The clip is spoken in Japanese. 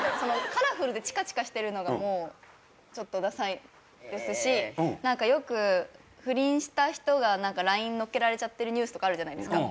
カラフルでチカチカしてるのがもうちょっとダサいですしよく不倫した人がＬＩＮＥ載っけられちゃってるニュースとかあるじゃないですか。